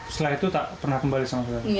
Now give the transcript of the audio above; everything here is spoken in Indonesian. setelah itu tak pernah kembali sama saya